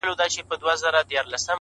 • سلطنت یې له کشمیره تر دکن وو,